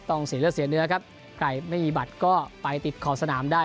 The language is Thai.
ต้องเสียเลือดเสียเนื้อครับใครไม่มีบัตรก็ไปติดขอบสนามได้